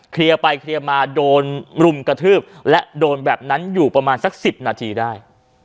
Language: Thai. ไปเคลียร์มาโดนรุมกระทืบและโดนแบบนั้นอยู่ประมาณสัก๑๐นาทีได้